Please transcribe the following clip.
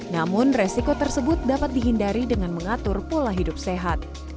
namun resiko tersebut dapat dihindari dengan mengatur pola hidup sehat